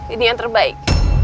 ini yang terbaik